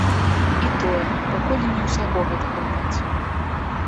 І тое, пакуль і не ўсяго гэтага відаць.